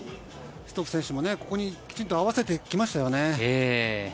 ストッフ選手もここにきちんと合わせてきましたよね。